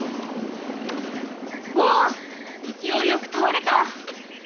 わあ勢いよく倒れた！